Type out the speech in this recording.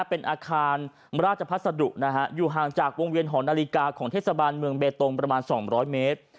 เป็นอาคารราชพัสดุนะฮะอยู่ห่างจากวงเวียนหอนาฬิกาของเทศบาลเมืองเบตงประมาณ๒๐๐เมตร